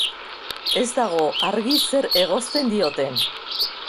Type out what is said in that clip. Ez dago argi zer egozten dioten.